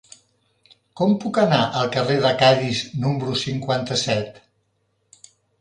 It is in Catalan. Com puc anar al carrer de Cadis número cinquanta-set?